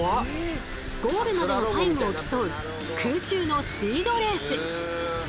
ゴールまでのタイムを競う空中のスピードレース。